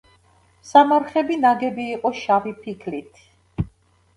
სამარხები ნაგები იყო შავი ფიქლით.